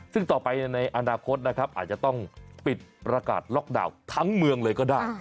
ซึ่งต่อไปในอนาคตนะครับอาจจะต้องปิดประกาศล็อกดาวน์ทั้งเมืองเลยก็ได้